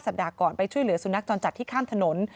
ก่อนไปช่วยเหลือสุนัขจรจัดที่ข้ามถนน